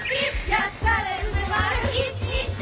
やったれ梅丸！